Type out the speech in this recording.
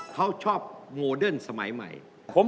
เขาชอบโมเดิร์นสมัยใหม่